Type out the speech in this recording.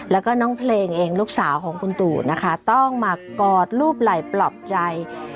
แล้วก็น้องเพลงเองลูกสาวของคุณตู่นะคะต้องมากอดรูปไหล่ปลอบใจ